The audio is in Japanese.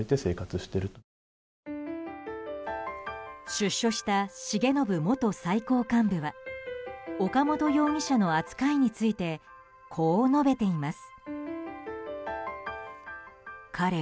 出所した重信元最高幹部は岡本容疑者の扱いについてこう述べています。